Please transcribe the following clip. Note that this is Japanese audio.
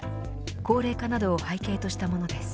高齢化などを背景としたものです。